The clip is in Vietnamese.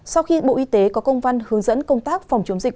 sau khi bộ y tế có công văn hướng dẫn công tác phòng chống dịch